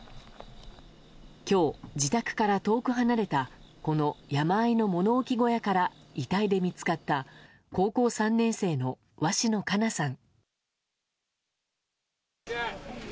今日、自宅から遠く離れたこの山あいの物置小屋から遺体で見つかった高校３年生の鷲野花夏さん。